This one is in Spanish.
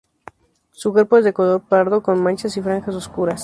Su cuerpo es de color pardo con manchas y franjas oscuras.